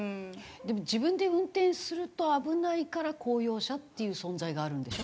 でも自分で運転すると危ないから公用車っていう存在があるんでしょ？